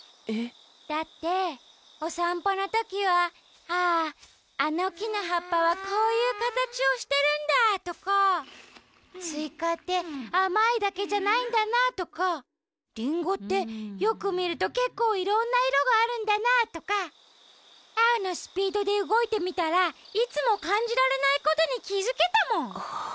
えっ？だっておさんぽのときは「あああのきのはっぱはこういうかたちをしてるんだ」とか「スイカってあまいだけじゃないんだな」とか「リンゴってよくみるとけっこういろんないろがあるんだな」とかアオのスピードでうごいてみたらいつもかんじられないことにきづけたもん。